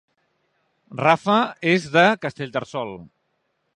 Rafa és de Castellterçol